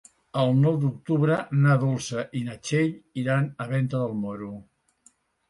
El nou d'octubre na Dolça i na Txell iran a Venta del Moro.